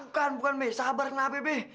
bukan bukan mbak sabar mbak